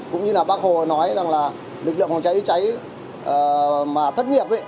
cũng như là bác hồ nói rằng là lực lượng phòng cháy cháy mà thất nghiệp ấy